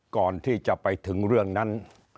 ก่อนที่จะไปถึงเรื่องนั้น